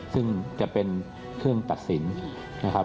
ซึ่งจะเป็นเครื่องตัดสินนะครับ